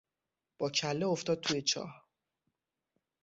با کله افتاد توی چاه.